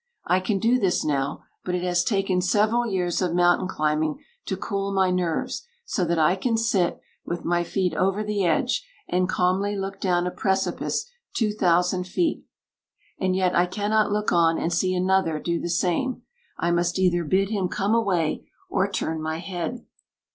I can do this now, but it has taken several years of mountain climbing to cool my nerves, so that I can sit, with my feet over the edge, and calmly look down a precipice two thousand feet. And yet I cannot look on and see another do the same. I must either bid him come away or turn my head.